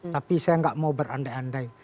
tapi saya nggak mau berandai andai